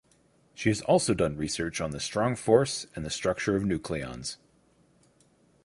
She has also done research on the strong force and the structure of nucleons.